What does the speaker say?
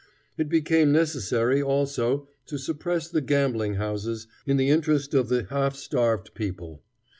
It became necessary also to suppress the gambling houses in the interest of the half starved people.